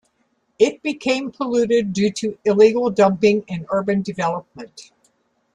It became polluted due to illegal dumping and urban development.